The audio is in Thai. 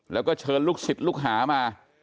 แล้วก็เชิญลูกศิษย์ลูกหามา